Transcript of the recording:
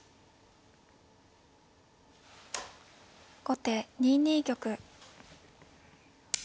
後手２二玉。